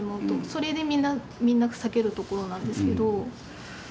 それでみんな避けるところなんですけど。